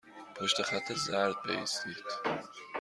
پشت خط زرد بایستید.